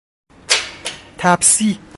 تپسی